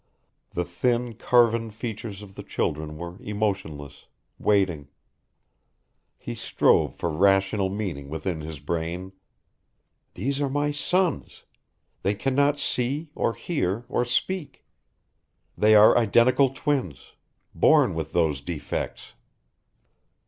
The thin carven features of the children were emotionless, waiting. He strove for rational meaning within his brain. _These are my sons they can not see or hear or speak. They are identical twins born with those defects.